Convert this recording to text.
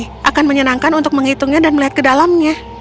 ini akan menyenangkan untuk menghitungnya dan melihat ke dalamnya